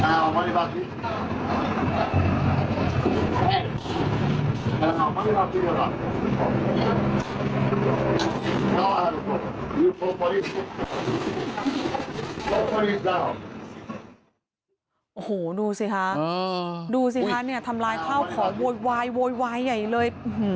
โอ้โหดูสิคะดูสิคะเนี่ยทำลายข้าวของโวยวายโวยวายใหญ่เลย